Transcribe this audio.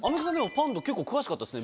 パンダ結構詳しかったですね